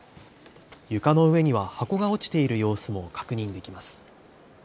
床の上には箱が落ちている様子も確認できます。